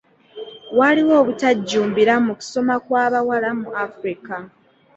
Waliwo obutajjumbira mu kusoma kw'abawala mu Africa.